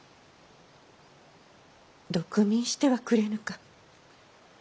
毒味してはくれぬか？